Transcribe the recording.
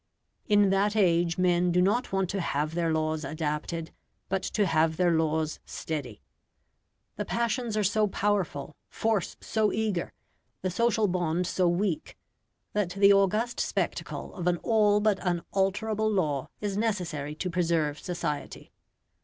In that age men do not want to have their laws adapted, but to have their laws steady. The passions are so powerful, force so eager, the social bond so weak, that the august spectacle of an all but unalterable law is necessary to preserve society.